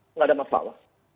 enggak ada masalah